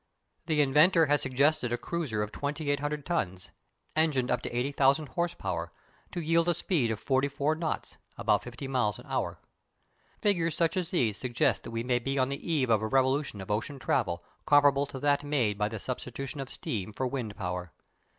The inventor has suggested a cruiser of 2800 tons, engined up to 80,000 horse power, to yield a speed of forty four knots (about fifty miles) an hour. Figures such as these suggest that we may be on the eve of a revolution of ocean travel comparable to that made by the substitution of steam for wind power.